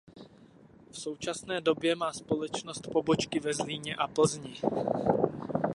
V současné době má společnost pobočky ve Zlíně a Plzni.